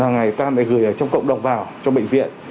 ngày ta lại gửi ở trong cộng đồng vào cho bệnh viện